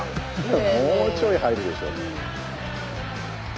もうちょい入るでしょ！